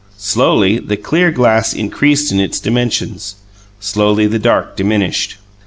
Slowly the clear glass increased in its dimensions slowly the dark diminished.